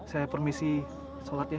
saya permisi sholat ya